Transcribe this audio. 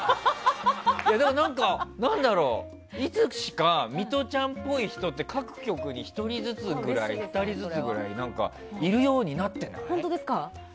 でも、何だろういつしかミトちゃんっぽい人って各局に１人ずつぐらい、２人ずつぐらいいるようになってない？